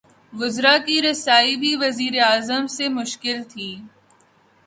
وزرا کی رسائی بھی وزیر اعظم سے مشکل تھی۔